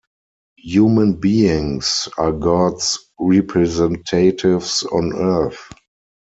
Human beings are God's representatives on earth.